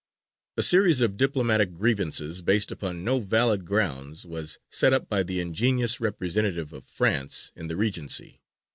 A series of diplomatic grievances, based upon no valid grounds, was set up by the ingenious representative of France in the Regency M.